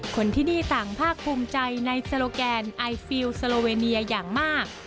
คนที่นี่ต่างภาคภูมิใจในโซโลแกนไอฟิลสโลเวเนียอย่างมาก